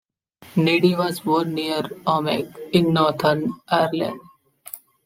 Kennedy was born near Omagh, in Northern Ireland.